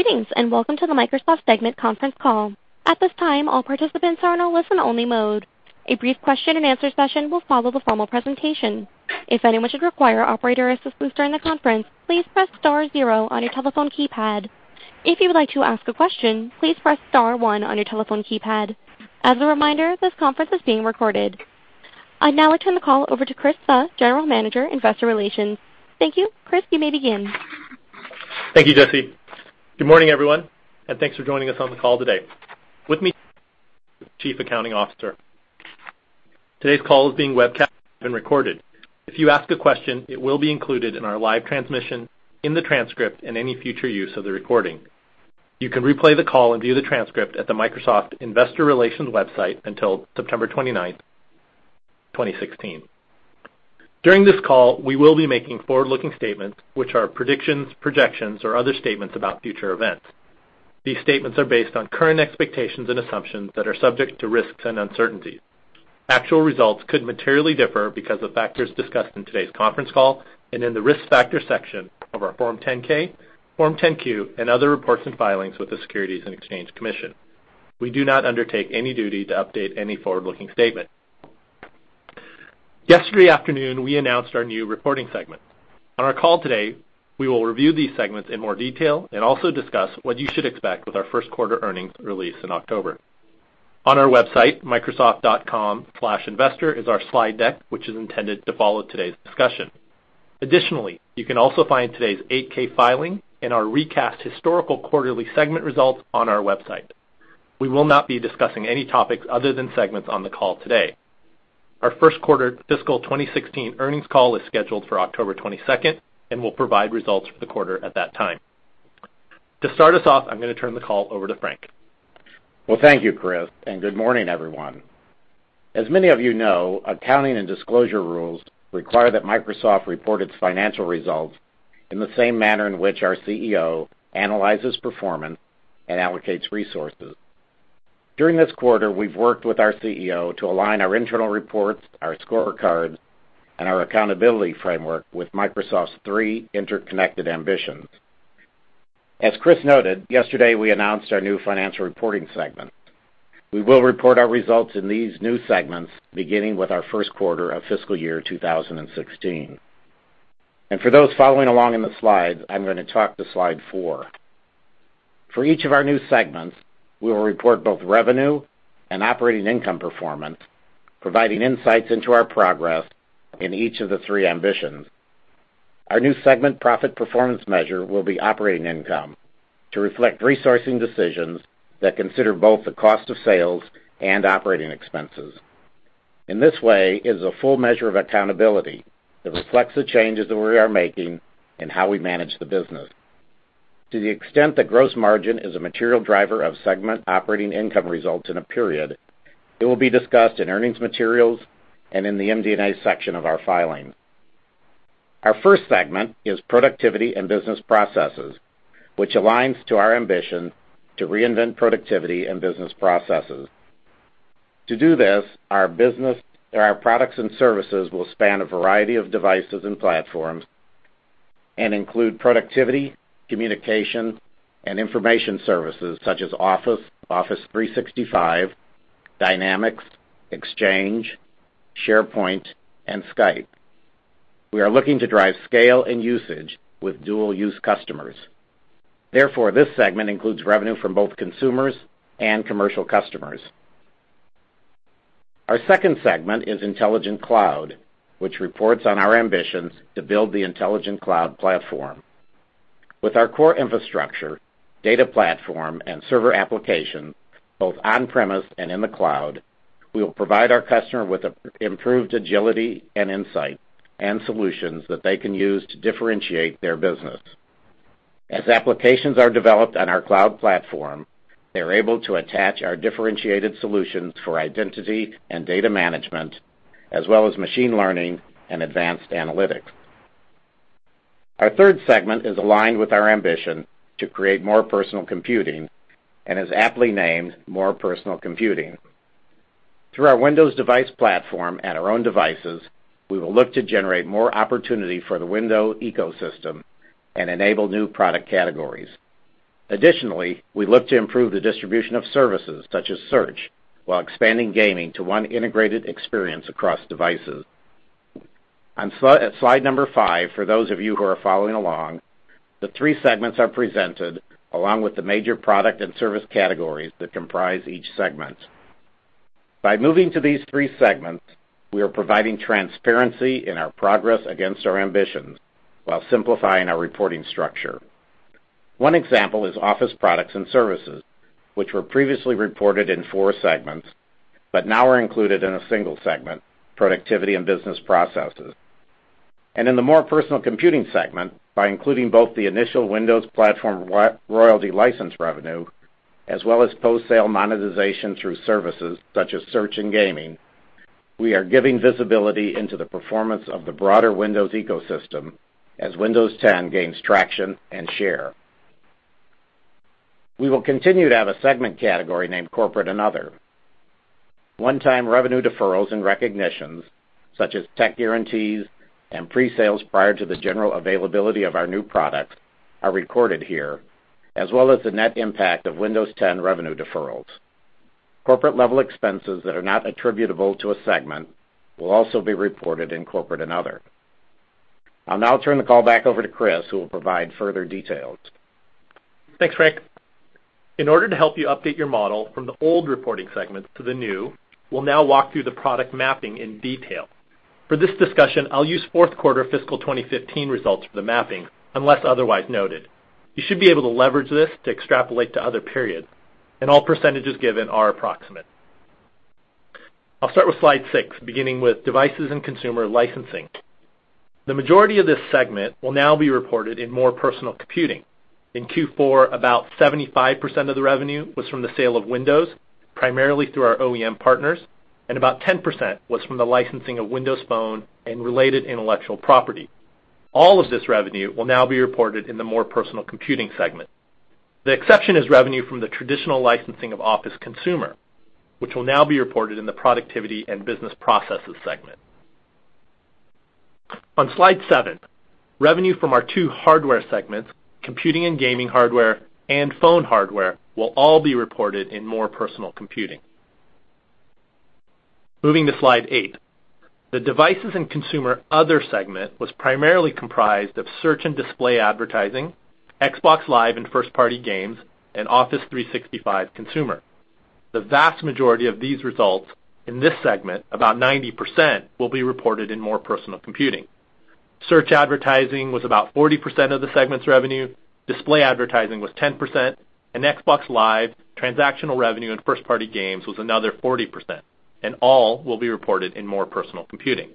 Greetings, welcome to the Microsoft segment conference call. At this time, all participants are in a listen-only mode. A brief question and answer session will follow the formal presentation. If anyone should require operator assistance during the conference, please press star zero on your telephone keypad. If you would like to ask a question, please press star one on your telephone keypad. As a reminder, this conference is being recorded. I now turn the call over to Chris Suh, General Manager, Investor Relations. Thank you. Chris, you may begin. Thank you, Jesse. Good morning, everyone, thanks for joining us on the call today. With me, Chief Accounting Officer. Today's call is being webcast and recorded. If you ask a question, it will be included in our live transmission, in the transcript, and any future use of the recording. You can replay the call and view the transcript at the Microsoft Investor Relations website until September 29th, 2016. During this call, we will be making forward-looking statements, which are predictions, projections, or other statements about future events. These statements are based on current expectations and assumptions that are subject to risks and uncertainties. Actual results could materially differ because of factors discussed in today's conference call and in the Risk Factors section of our Form 10-K, Form 10-Q, and other reports and filings with the Securities and Exchange Commission. We do not undertake any duty to update any forward-looking statement. Yesterday afternoon, we announced our new reporting segment. On our call today, we will review these segments in more detail and also discuss what you should expect with our first quarter earnings release in October. On our website, microsoft.com/investor, is our slide deck, which is intended to follow today's discussion. Additionally, you can also find today's 8-K filing and our recast historical quarterly segment results on our website. We will not be discussing any topics other than segments on the call today. Our first quarter fiscal 2016 earnings call is scheduled for October 22nd and will provide results for the quarter at that time. To start us off, I'm going to turn the call over to Frank. Well, thank you, Chris, good morning, everyone. As many of you know, accounting and disclosure rules require that Microsoft report its financial results in the same manner in which our CEO analyzes performance and allocates resources. During this quarter, we've worked with our CEO to align our internal reports, our scorecards, and our accountability framework with Microsoft's three interconnected ambitions. As Chris noted, yesterday we announced our new financial reporting segment. We will report our results in these new segments, beginning with our first quarter of fiscal year 2016. For those following along in the slides, I'm going to talk to slide four. For each of our new segments, we will report both revenue and operating income performance, providing insights into our progress in each of the three ambitions. Our new segment profit performance measure will be operating income to reflect resourcing decisions that consider both the cost of sales and operating expenses. In this way, it is a full measure of accountability that reflects the changes that we are making in how we manage the business. To the extent that gross margin is a material driver of segment operating income results in a period, it will be discussed in earnings materials and in the MD&A section of our filings. Our first segment is Productivity and Business Processes, which aligns to our ambition to reinvent productivity and business processes. To do this, our products and services will span a variety of devices and platforms and include productivity, communication, and information services such as Office 365, Dynamics, Exchange, SharePoint, and Skype. We are looking to drive scale and usage with dual use customers. This segment includes revenue from both consumers and commercial customers. Our second segment is Intelligent Cloud, which reports on our ambitions to build the Intelligent Cloud platform. With our core infrastructure, data platform, and server application, both on-premise and in the cloud, we will provide our customer with improved agility and insight and solutions that they can use to differentiate their business. As applications are developed on our cloud platform, they're able to attach our differentiated solutions for identity and data management, as well as machine learning and advanced analytics. Our third segment is aligned with our ambition to create more personal computing and is aptly named More Personal Computing. Through our Windows device platform and our own devices, we will look to generate more opportunity for the Windows ecosystem and enable new product categories. We look to improve the distribution of services, such as search, while expanding gaming to one integrated experience across devices. On slide number five, for those of you who are following along, the three segments are presented along with the major product and service categories that comprise each segment. By moving to these three segments, we are providing transparency in our progress against our ambitions while simplifying our reporting structure. One example is Office products and services, which were previously reported in four segments, but now are included in a single segment, Productivity and Business Processes. In the More Personal Computing segment, by including both the initial Windows platform royalty license revenue as well as post-sale monetization through services such as search and gaming, we are giving visibility into the performance of the broader Windows ecosystem as Windows 10 gains traction and share. We will continue to have a segment category named Corporate and Other. One-time revenue deferrals and recognitions, such as tech guarantees and pre-sales prior to the general availability of our new products are recorded here, as well as the net impact of Windows 10 revenue deferrals. Corporate-level expenses that are not attributable to a segment will also be reported in Corporate and Other. I'll now turn the call back over to Chris, who will provide further details. Thanks, Frank. In order to help you update your model from the old reporting segments to the new, we'll now walk through the product mapping in detail. For this discussion, I'll use fourth quarter fiscal 2015 results for the mapping, unless otherwise noted. You should be able to leverage this to extrapolate to other periods. All percentages given are approximate. I'll start with slide six, beginning with devices and consumer licensing. The majority of this segment will now be reported in More Personal Computing. In Q4, about 75% of the revenue was from the sale of Windows, primarily through our OEM partners, and about 10% was from the licensing of Windows Phone and related intellectual property. All of this revenue will now be reported in the More Personal Computing segment. The exception is revenue from the traditional licensing of Office Consumer, which will now be reported in the Productivity and Business Processes segment. On slide seven, revenue from our two hardware segments, computing and gaming hardware and phone hardware, will all be reported in More Personal Computing. Moving to slide eight. The devices and consumer other segment was primarily comprised of search and display advertising, Xbox Live and first-party games, and Office 365 Consumer. The vast majority of these results in this segment, about 90%, will be reported in More Personal Computing. Search advertising was about 40% of the segment's revenue, display advertising was 10%, and Xbox Live transactional revenue and first-party games was another 40%. All will be reported in More Personal Computing.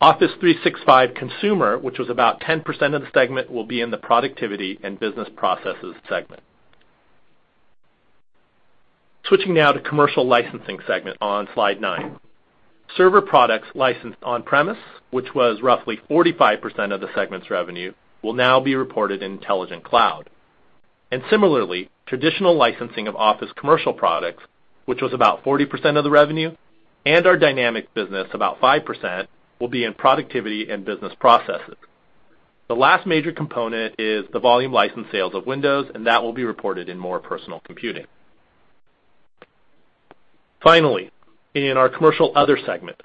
Office 365 Consumer, which was about 10% of the segment, will be in the Productivity and Business Processes segment. Switching now to commercial licensing segment on slide nine. Server products licensed on-premise, which was roughly 45% of the segment's revenue, will now be reported in Intelligent Cloud. Similarly, traditional licensing of Office commercial products, which was about 40% of the revenue, and our Dynamics business, about 5%, will be in Productivity and Business Processes. The last major component is the volume license sales of Windows, and that will be reported in More Personal Computing. Finally, in our commercial other segment,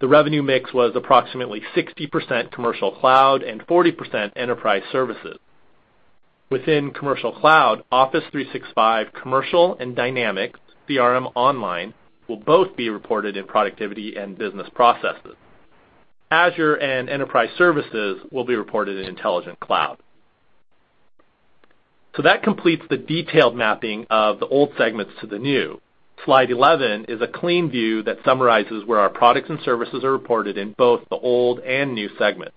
the revenue mix was approximately 60% commercial cloud and 40% enterprise services. Within commercial cloud, Office 365 Commercial and Dynamics CRM Online will both be reported in Productivity and Business Processes. Azure and enterprise services will be reported in Intelligent Cloud. That completes the detailed mapping of the old segments to the new. Slide 11 is a clean view that summarizes where our products and services are reported in both the old and new segments.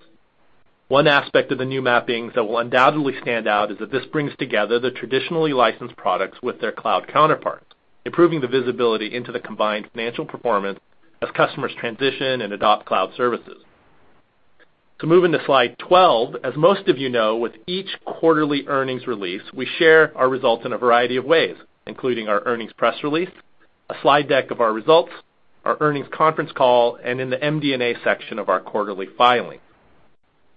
One aspect of the new mappings that will undoubtedly stand out is that this brings together the traditionally licensed products with their cloud counterparts, improving the visibility into the combined financial performance as customers transition and adopt cloud services. To move into slide 12, as most of you know, with each quarterly earnings release, we share our results in a variety of ways, including our earnings press release, a slide deck of our results, our earnings conference call, and in the MD&A section of our quarterly filing.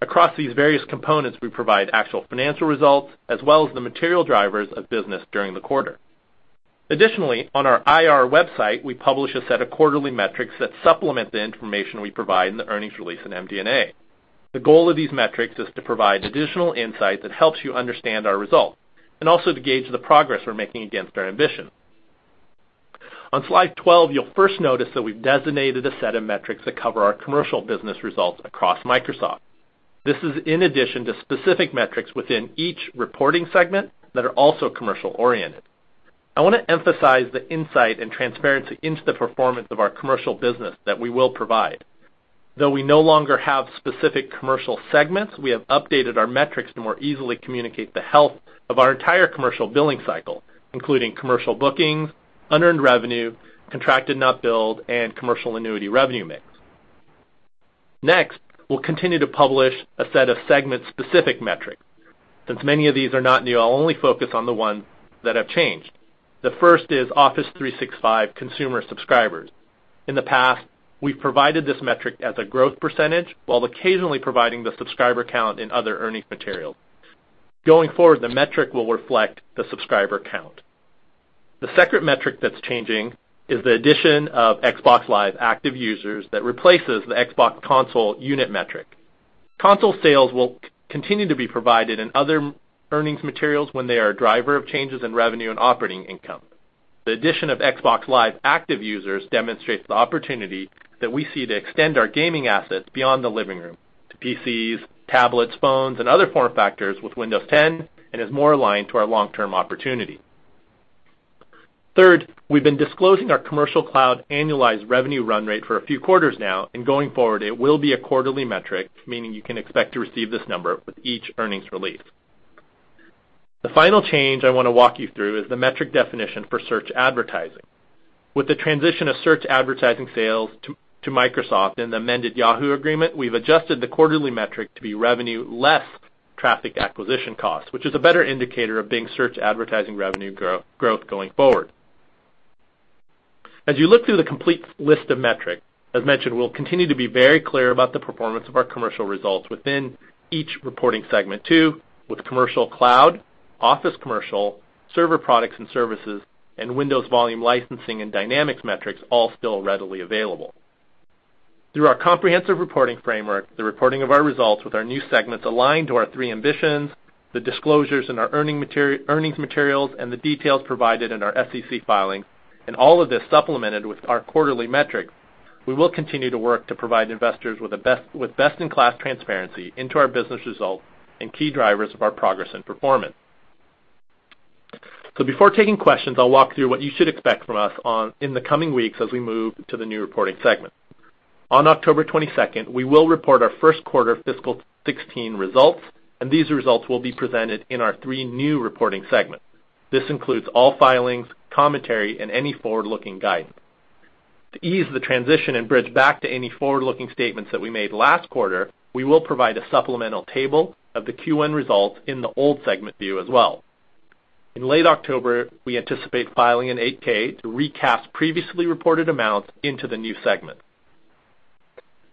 Across these various components, we provide actual financial results as well as the material drivers of business during the quarter. Additionally, on our IR website, we publish a set of quarterly metrics that supplement the information we provide in the earnings release and MD&A. The goal of these metrics is to provide additional insight that helps you understand our results and also to gauge the progress we're making against our ambition. On slide 12, you'll first notice that we've designated a set of metrics that cover our commercial business results across Microsoft. This is in addition to specific metrics within each reporting segment that are also commercial-oriented. I want to emphasize the insight and transparency into the performance of our commercial business that we will provide. Though we no longer have specific commercial segments, we have updated our metrics to more easily communicate the health of our entire commercial billing cycle, including commercial bookings, unearned revenue, contracted not billed, and commercial annuity revenue mix. We'll continue to publish a set of segment-specific metrics. Since many of these are not new, I'll only focus on the ones that have changed. The first is Office 365 Consumer subscribers. In the past, we've provided this metric as a growth percentage while occasionally providing the subscriber count in other earnings materials. Going forward, the metric will reflect the subscriber count. The second metric that's changing is the addition of Xbox Live active users that replaces the Xbox console unit metric. Console sales will continue to be provided in other earnings materials when they are a driver of changes in revenue and operating income. The addition of Xbox Live active users demonstrates the opportunity that we see to extend our gaming assets beyond the living room to PCs, tablets, phones, and other form factors with Windows 10 and is more aligned to our long-term opportunity. Third, we've been disclosing our commercial cloud annualized revenue run rate for a few quarters now and going forward, it will be a quarterly metric, meaning you can expect to receive this number with each earnings release. The final change I want to walk you through is the metric definition for search advertising. With the transition of search advertising sales to Microsoft and the amended Yahoo agreement, we've adjusted the quarterly metric to be revenue less traffic acquisition costs, which is a better indicator of Bing search advertising revenue growth going forward. As you look through the complete list of metrics, as mentioned, we'll continue to be very clear about the performance of our commercial results within each reporting segment too, with commercial cloud, office commercial, server products and services, and Windows volume licensing and Dynamics metrics all still readily available. Through our comprehensive reporting framework, the reporting of our results with our new segments aligned to our three ambitions, the disclosures in our earnings materials, and the details provided in our SEC filings, and all of this supplemented with our quarterly metrics, we will continue to work to provide investors with best-in-class transparency into our business results and key drivers of our progress and performance. Before taking questions, I'll walk through what you should expect from us in the coming weeks as we move to the new reporting segment. On October 22nd, we will report our first quarter fiscal 2016 results. These results will be presented in our three new reporting segments. This includes all filings, commentary, and any forward-looking guidance. To ease the transition and bridge back to any forward-looking statements that we made last quarter, we will provide a supplemental table of the Q1 results in the old segment view as well. In late October, we anticipate filing an 8-K to recast previously reported amounts into the new segment.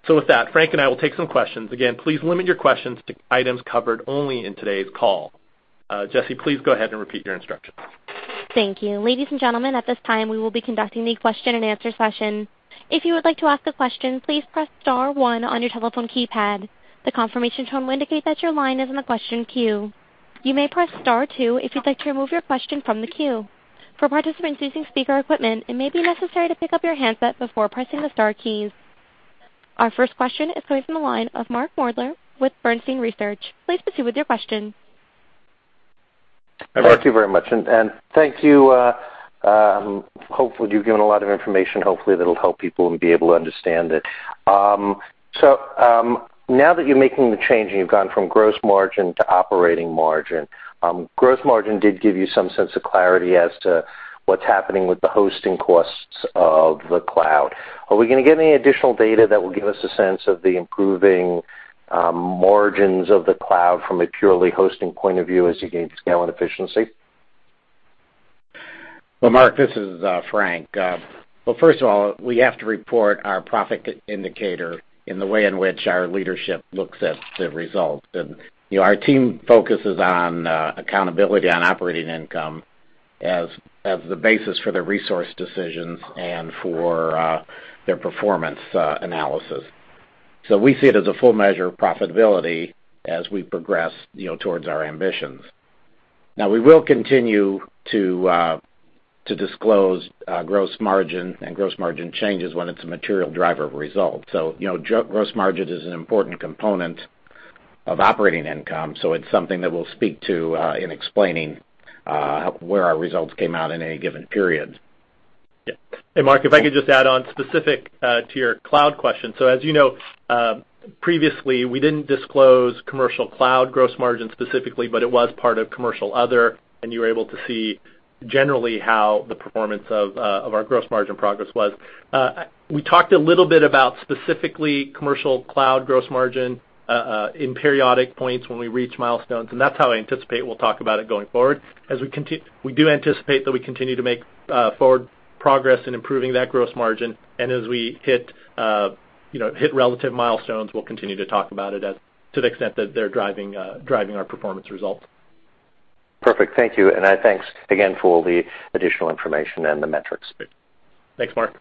With that, Frank and I will take some questions. Again, please limit your questions to items covered only in today's call. Jesse, please go ahead and repeat your instructions. Thank you. Ladies and gentlemen, at this time, we will be conducting the question and answer session. If you would like to ask a question, please press star one on your telephone keypad. The confirmation tone will indicate that your line is in the question queue. You may press star two if you'd like to remove your question from the queue. For participants using speaker equipment, it may be necessary to pick up your handset before pressing the star keys. Our first question is coming from the line of Mark Moerdler with Bernstein Research. Please proceed with your question. Thank you very much. Thank you. You've given a lot of information, hopefully that'll help people and be able to understand it. Now that you're making the change and you've gone from gross margin to operating margin, gross margin did give you some sense of clarity as to what's happening with the hosting costs of the cloud. Are we going to get any additional data that will give us a sense of the improving margins of the cloud from a purely hosting point of view as you gain scale and efficiency? Well, Mark, this is Frank. Well, first of all, we have to report our profit indicator in the way in which our leadership looks at the results. Our team focuses on accountability on operating income as the basis for their resource decisions and for their performance analysis. We see it as a full measure of profitability as we progress towards our ambitions. We will continue to disclose gross margin and gross margin changes when it's a material driver of results. Gross margin is an important component of operating income, so it's something that we'll speak to in explaining where our results came out in any given period. Mark, if I could just add on specific to your cloud question. As you know previously, we did not disclose commercial cloud gross margin specifically, but it was part of commercial other, and you were able to see generally how the performance of our gross margin progress was. We talked a little bit about specifically commercial cloud gross margin in periodic points when we reach milestones, and that is how I anticipate we will talk about it going forward. As we do anticipate that we continue to make forward progress in improving that gross margin, and as we hit relative milestones, we will continue to talk about it to the extent that they are driving our performance results. Perfect. Thank you. Thanks again for all the additional information and the metrics. Thanks, Mark.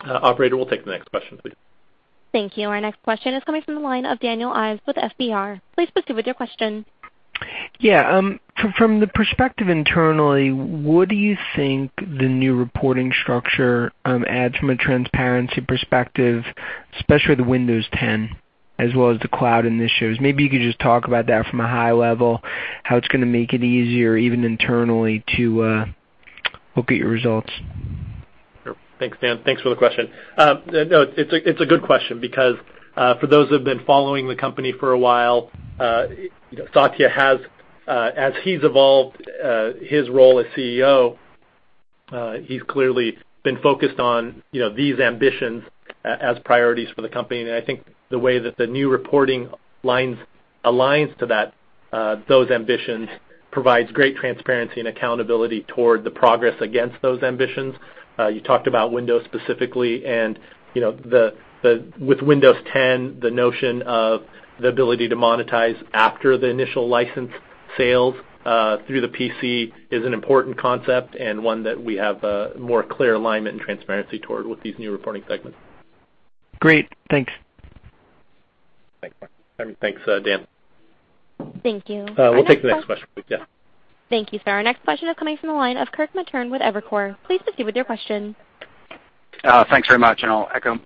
Operator, we will take the next question, please. Thank you. Our next question is coming from the line of Daniel Ives with FBR. Please proceed with your question. Yeah. From the perspective internally, what do you think the new reporting structure adds from a transparency perspective, especially with Windows 10 as well as the cloud initiatives? Maybe you could just talk about that from a high level, how it's going to make it easier, even internally, to look at your results. Sure. Thanks, Dan. Thanks for the question. No, it's a good question because for those who have been following the company for a while, Satya has, as he's evolved his role as CEO, he's clearly been focused on these ambitions as priorities for the company. I think the way that the new reporting aligns to those ambitions provides great transparency and accountability toward the progress against those ambitions. You talked about Windows specifically and with Windows 10, the notion of the ability to monetize after the initial license sales through the PC is an important concept and one that we have a more clear alignment and transparency toward with these new reporting segments. Great. Thanks. Thanks. I mean, thanks Dan. Thank you. We'll take the next question, please. Yeah. Thank you, sir. Our next question is coming from the line of Kirk Materne with Evercore. Please proceed with your question. Thanks very much. I'll echo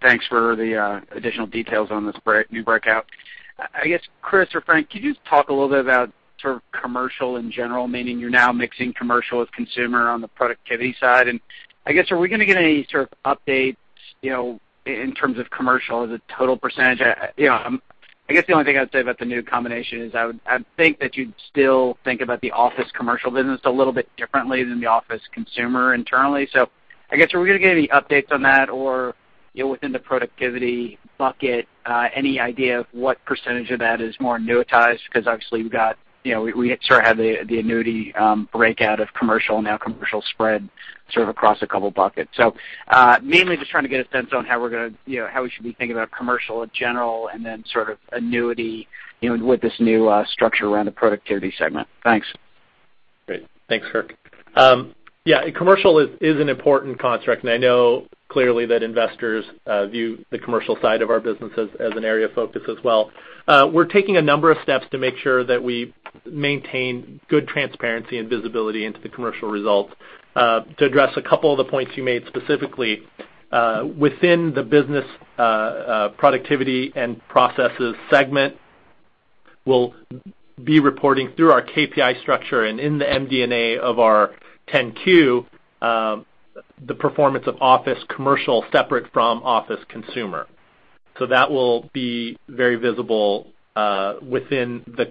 thanks for the additional details on this new breakout. I guess, Chris or Frank, could you talk a little bit about commercial in general, meaning you're now mixing commercial with consumer on the productivity side. I guess, are we going to get any sort of updates in terms of commercial as a total percentage? I guess the only thing I'd say about the new combination is I think that you'd still think about the office commercial business a little bit differently than the office consumer internally. I guess, are we going to get any updates on that or Within the productivity bucket, any idea of what % of that is more annuitized? Because obviously, we sort of had the annuity breakout of commercial, now commercial spread sort of across a couple buckets. Mainly just trying to get a sense on how we should be thinking about commercial in general, and then sort of annuity with this new structure around the Productivity segment. Thanks. Great. Thanks, Kirk. Yeah, commercial is an important construct, and I know clearly that investors view the commercial side of our business as an area of focus as well. We're taking a number of steps to make sure that we maintain good transparency and visibility into the commercial results. To address a couple of the points you made specifically, within the Productivity and Business Processes segment, we'll be reporting through our KPI structure and in the MD&A of our 10-Q, the performance of Office Commercial separate from Office Consumer. That will be very visible within the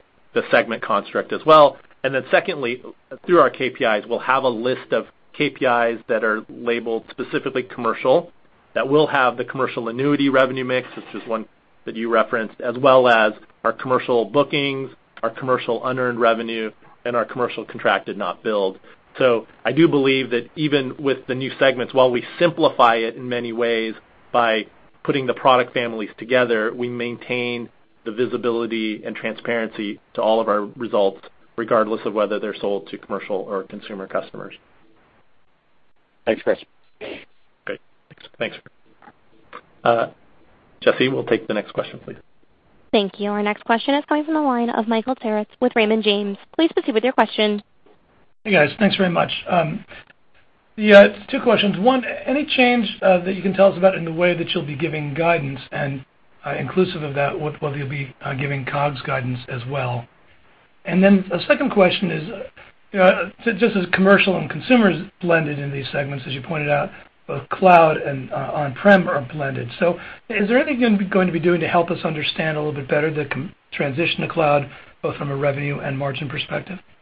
segment construct as well. Then secondly, through our KPIs, we'll have a list of KPIs that are labeled specifically commercial, that will have the commercial annuity revenue mix, which is one that you referenced, as well as our commercial bookings, our commercial unearned revenue, and our commercial contracted not billed. I do believe that even with the new segments, while we simplify it in many ways by putting the product families together, we maintain the visibility and transparency to all of our results, regardless of whether they're sold to commercial or consumer customers. Thanks, Chris. Great. Thanks. Jesse, we'll take the next question, please. Thank you. Our next question is coming from the line of Michael Turits with Raymond James. Please proceed with your question. Hey, guys. Thanks very much. Yeah, two questions. One, any change that you can tell us about in the way that you'll be giving guidance, and inclusive of that, whether you'll be giving COGS guidance as well? A second question is, just as commercial and consumer is blended in these segments, as you pointed out, both cloud and on-prem are blended. Is there anything going to be doing to help us understand a little bit better the transition to cloud, both from a revenue and margin perspective? Yeah.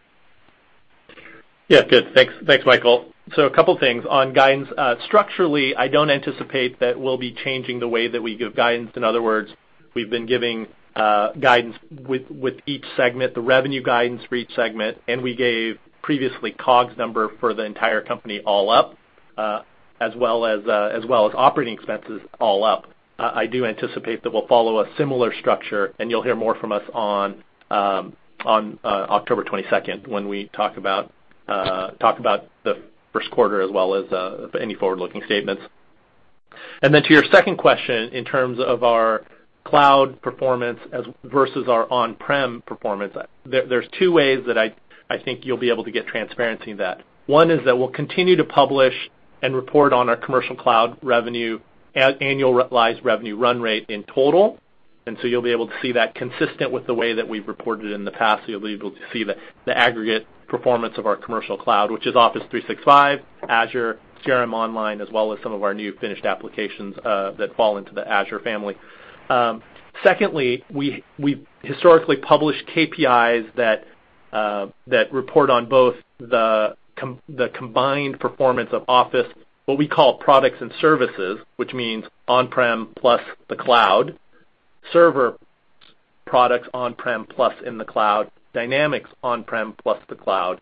Good. Thanks, Michael. A couple of things on guidance. Structurally, I don't anticipate that we'll be changing the way that we give guidance. In other words, we've been giving guidance with each segment, the revenue guidance for each segment, and we gave previously COGS number for the entire company all up, as well as operating expenses all up. I do anticipate that we'll follow a similar structure, and you'll hear more from us on October 22nd when we talk about the first quarter as well as any forward-looking statements. To your second question, in terms of our cloud performance versus our on-prem performance, there's two ways that I think you'll be able to get transparency in that. One is that we'll continue to publish and report on our commercial cloud revenue at annualized revenue run rate in total. You'll be able to see that consistent with the way that we've reported in the past. You'll be able to see the aggregate performance of our commercial cloud, which is Office 365, Azure, CRM Online, as well as some of our new finished applications that fall into the Azure family. Secondly, we've historically published KPIs that report on both the combined performance of Office, what we call products and services, which means on-prem plus the cloud, server products on-prem plus in the cloud, Dynamics on-prem plus the cloud.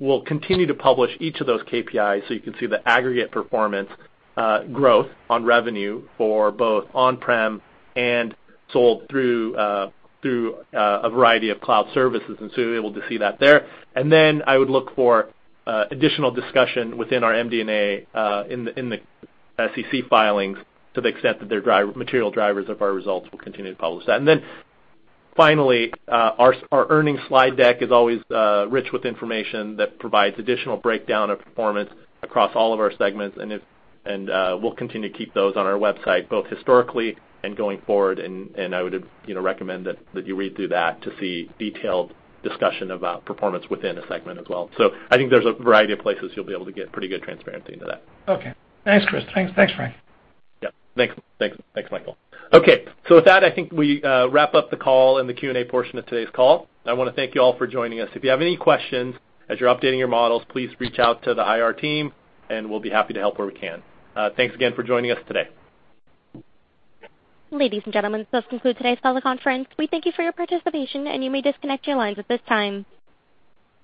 We'll continue to publish each of those KPIs so you can see the aggregate performance growth on revenue for both on-prem and sold through a variety of cloud services, you'll be able to see that there. I would look for additional discussion within our MD&A in the SEC filings to the extent that they're material drivers of our results. We'll continue to publish that. Finally, our earnings slide deck is always rich with information that provides additional breakdown of performance across all of our segments, and we'll continue to keep those on our website, both historically and going forward, and I would recommend that you read through that to see detailed discussion about performance within a segment as well. I think there's a variety of places you'll be able to get pretty good transparency into that. Okay. Thanks, Chris. Thanks, Frank. Thanks, Michael. With that, I think we wrap up the call and the Q&A portion of today's call. I want to thank you all for joining us. If you have any questions as you're updating your models, please reach out to the IR team, and we'll be happy to help where we can. Thanks again for joining us today. Ladies and gentlemen, this concludes today's teleconference. We thank you for your participation, and you may disconnect your lines at this time.